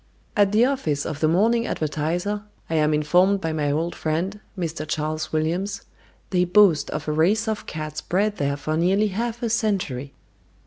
At the office of The Morning Advertiser, I am informed by my old friend Mr. Charles Williams, they boast of a race of cats bred there for nearly half a century.